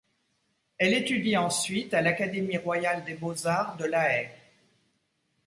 Elle étudie ensuite à l'Académie royale des beaux-arts de La Haye.